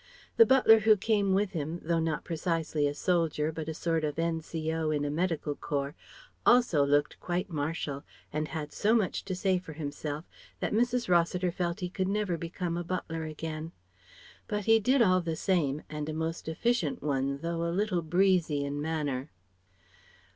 The butler who came with him though not precisely a soldier but a sort of N.C.O. in a medical corps, also looked quite martial, and had so much to say for himself that Mrs. Rossiter felt he could never become a butler again. But he did all the same, and a most efficient one though a little breezy in manner.